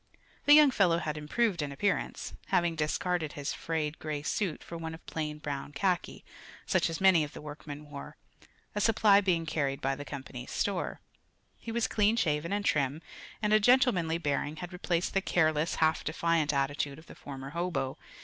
The young fellow had improved in appearance, having discarded his frayed gray suit for one of plain brown khaki, such as many of the workmen wore, a supply being carried by the company's store. He was clean shaven and trim, and a gentlemanly bearing had replaced the careless, half defiant attitude of the former hobo.